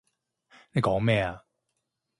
你講咩啊？